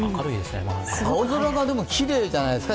青空がきれいじゃないですか？